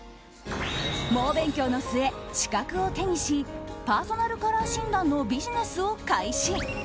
猛勉強の末、資格を手にしパーソナルカラー診断のビジネスを開始。